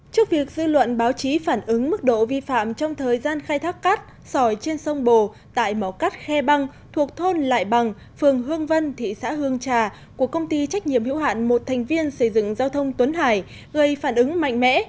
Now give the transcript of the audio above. trước việc dư luận báo chí phản ứng mức độ vi phạm trong thời gian khai thác cát sỏi trên sông bồ tại mỏ cắt khe băng thuộc thôn lại bằng phường hương vân thị xã hương trà của công ty trách nhiệm hữu hạn một thành viên xây dựng giao thông tuấn hải gây phản ứng mạnh mẽ